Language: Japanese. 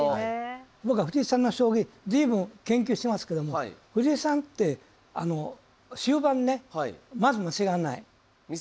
僕は藤井さんの将棋随分研究してますけども藤井さんって終盤ねまず間違わない。